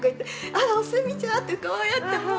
あらおすみちゃん！ってこうやって。